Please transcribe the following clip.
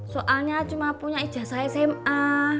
soalnya cuma punya ijazah sma